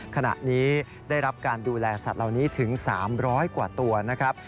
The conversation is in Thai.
ขณะนี้ได้รับการดูแลสัตว์เหล่านี้ถึง๓๐๐กว่าตัวนะครับ